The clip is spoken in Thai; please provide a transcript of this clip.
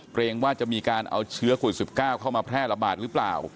เกรงว่าจะมีการเอาเชื้อโควิด๑๙เข้ามาแพร่ระบาดหรือเปล่า